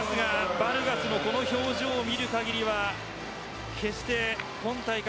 バルガスのこの表情を見る限りは決して今大会